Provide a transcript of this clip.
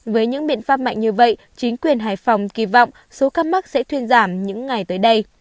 với những biện pháp mạnh như vậy chính quyền hải phòng kỳ vọng số ca mắc sẽ thuyên giảm những ngày tới đây